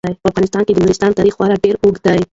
په افغانستان کې د نورستان تاریخ خورا ډیر اوږد تاریخ دی.